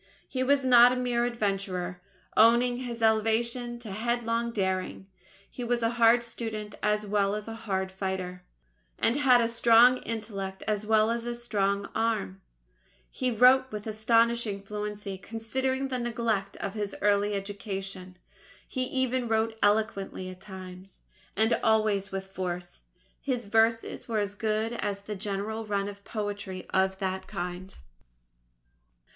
He was not a mere adventurer owing his elevation to headlong daring he was a hard student as well as a hard fighter, and had a strong intellect as well as strong arm. He wrote with astonishing fluency considering the neglect of his early education. He even wrote eloquently at times, and always with force. His verses were as good as the general run of poetry of that kind.